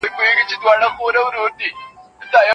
د شاګردانو علمي تېروتني باید د څېړني په بهیر کي په ګوته سي.